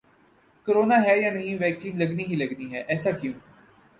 corona ہے یا نہیں ویکسین لگنی ہی لگنی ہے، ایسا کیوں